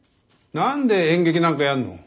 何で演劇なんかやんの？